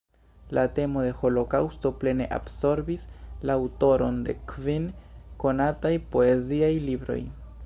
La temo de holokaŭsto plene absorbis la aŭtoron de kvin konataj poeziaj libroj.